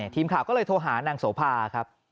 ทีมข่าวก็เลยโทรหานางโสภาครับ